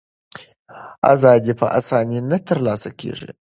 ازادي په آسانۍ نه ترلاسه کېږي.